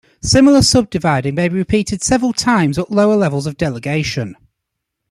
Similar subdividing may be repeated several times at lower levels of delegation.